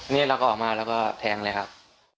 นี่เราก็ออกมาแล้วก็แทงเลยครับ